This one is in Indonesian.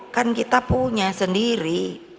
kan kita punya sendiri